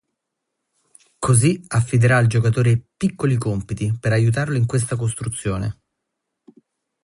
Così affiderà al giocatore piccoli compiti per aiutarlo in questa costruzione.